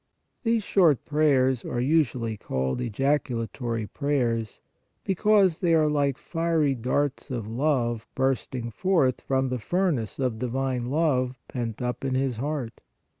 These short prayers are usually called ejaculatory prayers, be cause they are like fiery darts of love bursting forth from the furnace of divine love pent up in his heart.